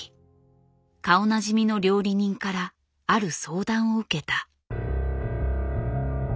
顔なじみの料理人からある相談を受けた。